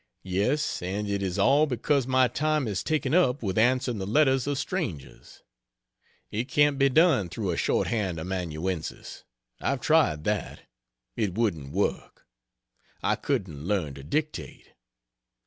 Yes, and it is all because my time is taken up with answering the letters of strangers. It can't be done through a short hand amanuensis I've tried that it wouldn't work I couldn't learn to dictate.